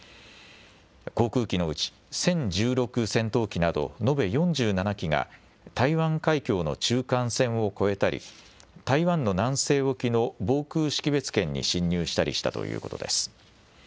航空機のうち殲１６戦闘機など延べ４７機が、台湾海峡の中間線を越えたり、台湾の南西沖の防空識別圏に進入したりしたということです。